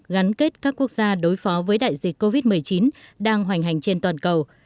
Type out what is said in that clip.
gắn kết các quốc gia đối phó với đại dịch covid một mươi chín đang hoành hành trên toàn cầu